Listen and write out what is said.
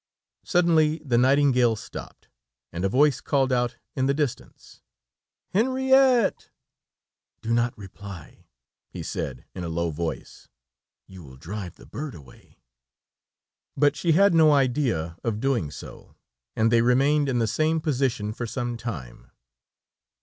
Suddenly the nightingale stopped, and a voice called out in the distance: "Henriette!" "Do not reply," he said in a low voice; "you will drive the bird away." But she had no idea of doing so, and they remained in the same position for some time.